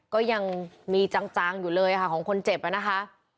ก็ยังมีจางอยู่เลยค่ะของคนเจ็บนะคะ